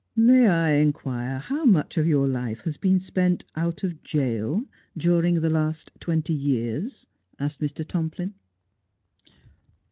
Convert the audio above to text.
' May I inquire how much of your life has been spent out of jail during the last twenty years V asked Mr. Tomplin.